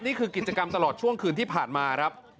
นี่คือกิจกรรมตลอดช่วงคืนที่ผ่านมาครับ